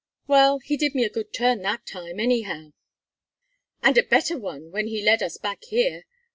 Well, he did me a good turn that time, anyhow." "And a better one when he led us back here.